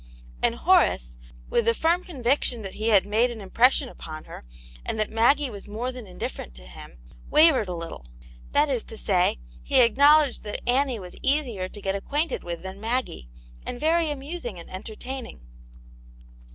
And Horace, with the firm conviction that he had made an impression upon her, and that Maggie was more than indifferent to him, wavered a little ; that is to say, he acknowledged that Annie was easier to get acquainted with than Maggie, and very amusing and entertaining.